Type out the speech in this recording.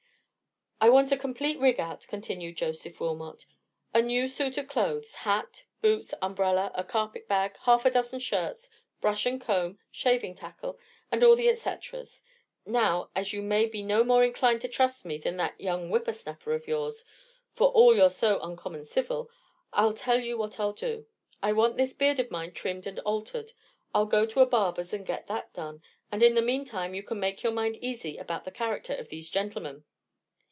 "I want a complete rig out," continued Joseph Wilmot; "a new suit of clothes—hat, boots, umbrella, a carpet bag, half a dozen shirts, brush and comb, shaving tackle, and all the et ceteras. Now, as you may be no more inclined to trust me than that young whipper snapper of yours, for all you're so uncommon civil, I'll tell you what I'll do. I want this beard of mine trimmed and altered. I'll go to a barber's and get that done, and in the meantime you can make your mind easy about the character of these gentlemen."